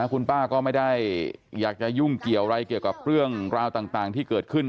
คุณป้าก็ไม่ได้อยากจะยุ่งเกี่ยวอะไรเกี่ยวกับเรื่องราวต่างที่เกิดขึ้น